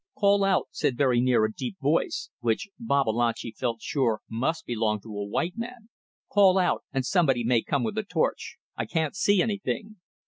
"Call out," said very near a deep voice, which Babalatchi felt sure must belong to a white man. "Call out and somebody may come with a torch. I can't see anything."